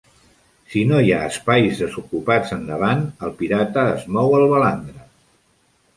Si no hi ha espais desocupats endavant, el pirata es mou al balandre.